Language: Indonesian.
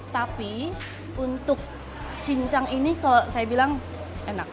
tapi untuk cin cang ini kalau saya bilang enak